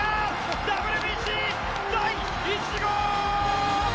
ＷＢＣ第１号！